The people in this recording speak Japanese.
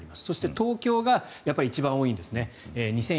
そして東京が一番多いんですね。